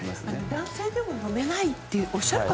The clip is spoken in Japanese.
男性でも飲めないとおっしゃる方